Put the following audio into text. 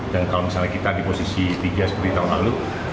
dan kalau misalnya kita di posisi tiga sepuluh tahun lalu